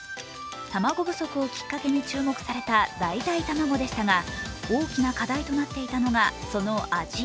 卵不足をきっかけに注目された代替卵でしたが大きな課題となっていたのがその味。